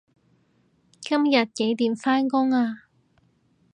今日幾點返工啊